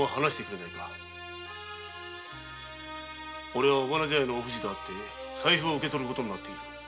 おれは尾花茶屋のおふじに会って財布を受け取る事になっている。